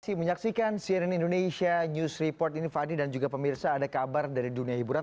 terima kasih menyaksikan cnn indonesia news report ini fadli dan juga pemirsa ada kabar dari dunia hiburan